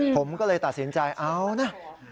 ผมก็เลยตัดสินใจเอานะ